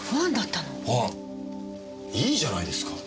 いいじゃないですか。